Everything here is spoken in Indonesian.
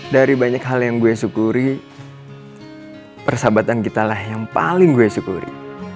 dari banyak hal yang gue syukuri persahabatan kitalah yang paling gue syukuri